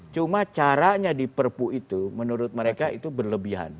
cuma caranya diperpu itu menurut mereka itu berlebihan